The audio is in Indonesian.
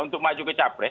untuk maju ke capres